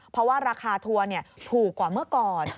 เพราะว่าราคาทัวร์ถูกกว่าเมื่อก่อน